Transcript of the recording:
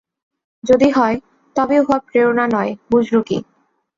যদি হয়, তবে উহা প্রেরণা নয়, বুজরুকি।